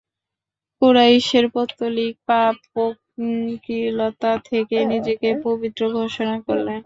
কুরাইশের পৌত্তলিক পাপ-পঙ্কিলতা থেকে নিজেকে পবিত্র ঘোষণা করলেন।